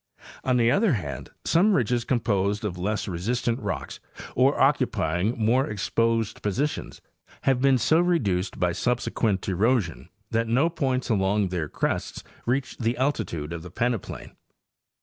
On the other hand, some ridges composed of less resistant rocks or occupying more exposed positions have been so reduced by subsequent erosion that no points along their crests reach the altitude of the peneplain.